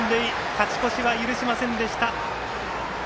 勝ち越しは許しませんでした。